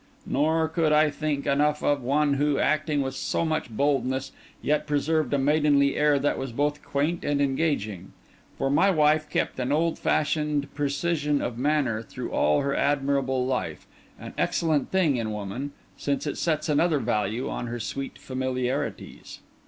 Nor could I think enough of one who, acting with so much boldness, yet preserved a maidenly air that was both quaint and engaging; for my wife kept an old fashioned precision of manner through all her admirable life—an excellent thing in woman, since it sets another value on her sweet familiarities.